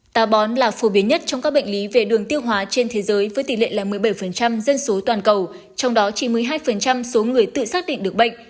tà bón là phổ biến nhất trong các bệnh lý về đường tiêu hóa trên thế giới với tỷ lệ là một mươi bảy dân số toàn cầu trong đó chỉ một mươi hai số người tự xác định được bệnh